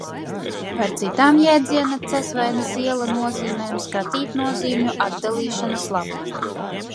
Par citām jēdziena Cesvaines iela nozīmēm skatīt nozīmju atdalīšanas lapu.